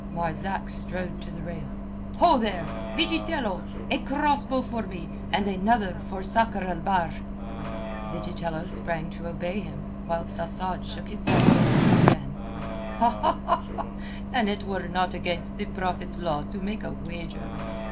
Marzak strode to the rail. "Ho there! Vigitello! A cross bow for me, and another for Sakr el Bahr." Vigitello sprang to obey him, whilst Asad shook his head and laughed again. "An it were not against the Prophet's law to make a wager...."